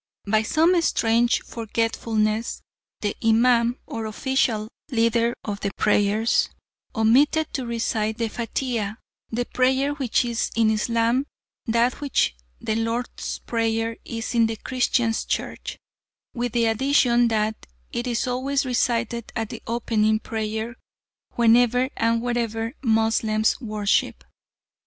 By some strange forgetfulness the Imam, or official leader of the prayers, omitted to recite the Fatiha, the prayer which is in Islam that which the "Lord's Prayer" is in the Christian Church, with the addition that it is always recited as the opening prayer whenever and wherever Moslems worship.